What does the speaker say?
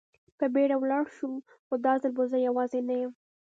په بېړه ولاړ شو، خو دا ځل به زه یوازې نه یم.